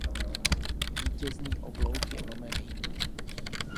Vítězný oblouk je lomený.